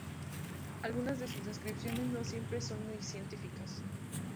Algunas de sus descripciones no siempre son muy científicas.